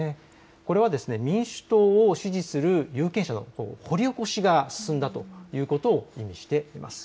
これは民主党を支持する有権者の掘り起こしが進んだということを意味しています。